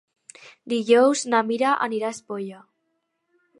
Dijous na Mira anirà a Espolla.